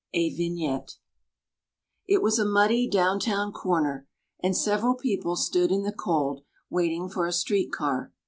A Vignette It was a muddy down town corner and several people stood in the cold, waiting for a street car.